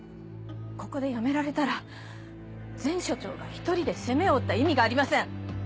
ここで辞められたら前署長が１人で責めを負った意味がありません！